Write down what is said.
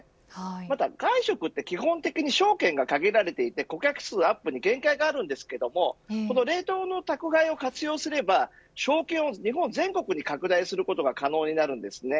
また外食は基本的に商圏が限られていて、顧客数アップに限界があるんですがこの冷凍の宅配を活用すれば商圏を全国に拡大することが可能になります。